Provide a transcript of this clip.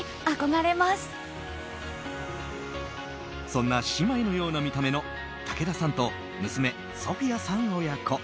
そんな姉妹のような見た目の武田さんと娘ソフィアさん親子。